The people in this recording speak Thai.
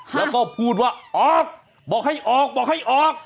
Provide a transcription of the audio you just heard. แล้วก็พูดว่าออกบอกให้ออกบอกให้ออก